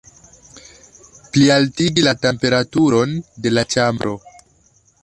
Plialtigi la temperaturon de la ĉambro!